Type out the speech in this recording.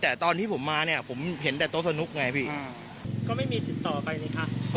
แต่ตอนที่ผมมาเนี่ยผมเห็นแต่โต๊ะสนุกไงพี่ก็ไม่มีติดต่อไปเลยค่ะ